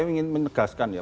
saya ingin menegaskan ya